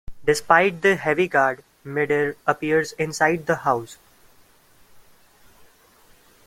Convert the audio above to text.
Despite the heavy guard, Midir appears inside the house.